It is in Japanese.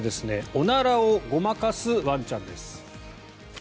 おならをごまかすワンちゃんです。